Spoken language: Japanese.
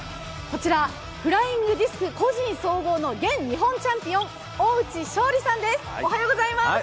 こちら、フライングディスク個人総合の現日本チャンピオン大内勝利さんです。